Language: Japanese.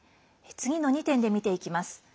次の２点で見ていきます。